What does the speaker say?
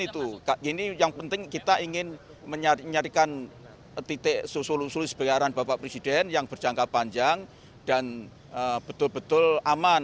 ini yang penting kita ingin mencari titik seluruh sebaran bapak presiden yang berjangka panjang dan betul betul aman